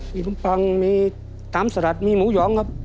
มีนมปังมีตำสลัดมีหมูหองครับ